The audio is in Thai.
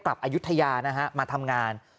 กลับอายุทยามาทำงาน